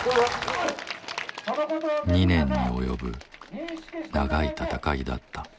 ２年に及ぶ長い闘いだった。